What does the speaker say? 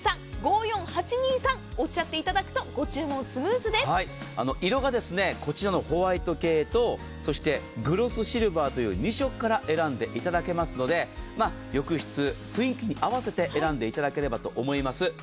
おっしゃっていただくと色がこちらのホワイト系とそしてグロスシルバーという２色から選んでいただけますので浴室、雰囲気に合わせて選んでいただければと思います。